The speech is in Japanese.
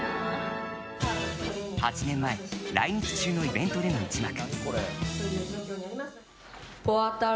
８年前来日中のイベントでの一幕。